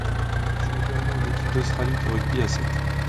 Il joue également en équipe d'Australie de rugby à sept.